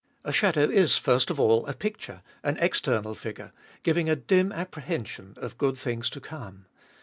A shadow is first of all a picture, an external figure, giving a dim apprehension of good things to come.